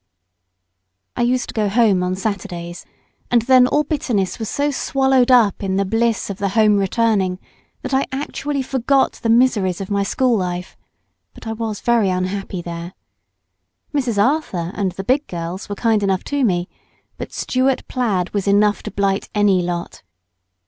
I used to go home on Saturdays, and then all bitterness was so swallowed up in the bliss of the homereturning, that I actually forgot the miseries of my school life; but I was very unhappy there. Mrs. Arthur and the big girls were kind enough to me, but Stuart plaid was enough to blight any lot.